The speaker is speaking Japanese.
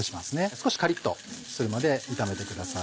少しカリっとするまで炒めてください。